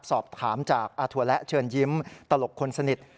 สอบถามจากอาถั่วและเชิญยิ้มตลกคนสนิท